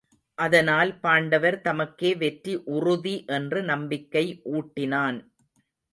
அதனால் பாண்டவர் தமக்கே வெற்றி உறுதி என்று நம்பிக்கை ஊட்டினான்.